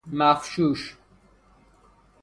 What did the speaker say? مفشوش